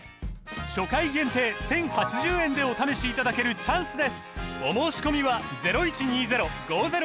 初回限定１，０８０円でお試しいただけるチャンスです